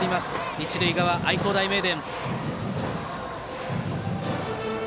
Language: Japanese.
一塁側の愛工大名電。